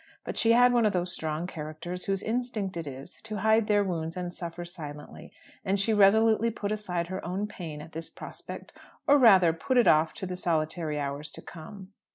But she had one of those strong characters whose instinct it is to hide their wounds and suffer silently; and she resolutely put aside her own pain at this prospect or rather, put it off to the solitary hours to come.